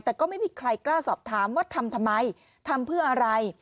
แต่ก็ไม่มีใครกล้าสอบถามว่าทำทำไมทำเพื่ออะไร